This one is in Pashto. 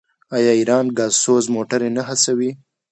آیا ایران ګازسوز موټرې نه هڅوي؟